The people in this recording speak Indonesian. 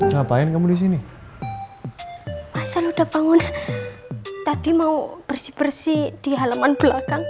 ngapain kamu disini masa udah bangun tadi mau bersih bersih di halaman belakang